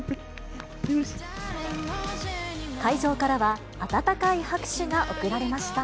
会場からは、温かい拍手が送られました。